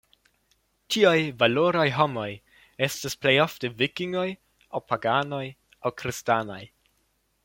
Tiuj "valoraj homoj" estis plejofte vikingoj, aŭ paganoj aŭ kristanaj.